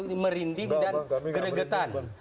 ini merinding dan geregetan